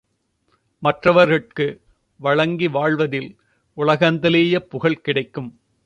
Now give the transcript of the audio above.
மற்றவர்க்கு வழங்கி வாழ்வதில் உலகந்தழீஇய புகழ் கிடைக்கும்.